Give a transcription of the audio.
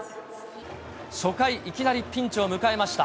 初回、いきなりピンチを迎えました。